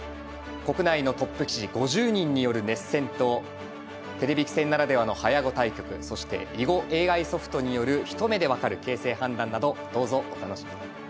国内のトップ棋士５０人による熱戦とテレビ棋戦ならではの早碁対局そして囲碁ＡＩソフトによるひと目で分かる形勢判断などどうぞお楽しみに。